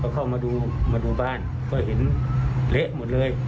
เข้ามาดูมาดูบ้านก็เห็นเละหมดเลย